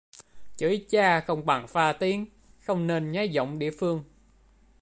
Chửi cha không bằng pha tiếng: không nên nhái giọng địa phương